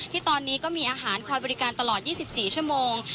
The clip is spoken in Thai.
ที่ตอนนี้ก็มีอาหารคอยบริการตลอด๒๔ชั่วโมง